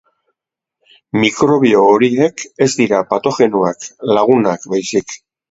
Mikrobio horiek ez dira patogenoak, lagunak baizik.